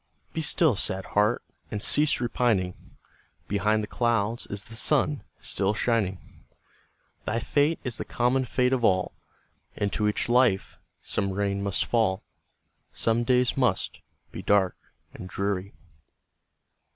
Be still, sad heart! and cease repining; Behind the clouds is the sun still shining; Thy fate is the common fate of all, Into each life some rain must fall, Some days must be dark and dreary.